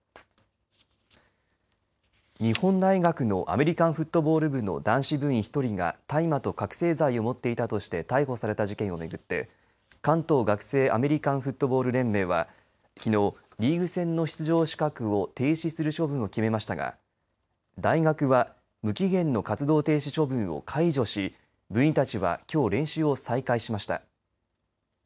日本大学のアメリカンフットボール部の男子部員１人が大麻と覚醒剤を持っていたとして逮捕された事件を巡って関東学生アメリカンフットボール連盟はきのうリーグ戦の出場資格を停止する処分を決めましたが大学は無期限の活動停止処分を解除し部員たちはきょう練習を再開しました。